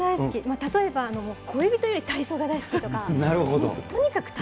例えば、恋人より体操が大好きとか、とにかく。